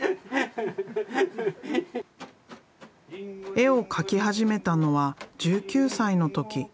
絵を描き始めたのは１９歳の時。